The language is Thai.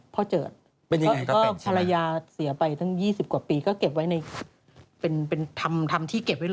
เจิดก็ภรรยาเสียไปตั้ง๒๐กว่าปีก็เก็บไว้ในเป็นทำที่เก็บไว้เลย